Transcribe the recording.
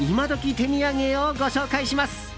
手土産をご紹介します。